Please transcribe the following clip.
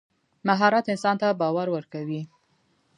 مهارت انسان ته باور ورکوي.